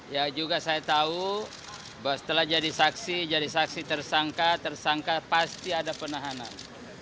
ya juga saya tahu setelah jadi saksi jadi saksi tersangka tersangka pasti ada penahanan